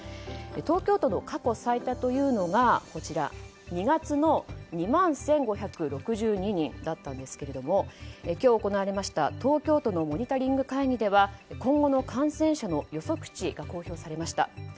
東京都の過去最多というのが２月の２万１５６２人だったんですが今日行われました東京都のモニタリング会議では今後の感染者の予測値が公表されました。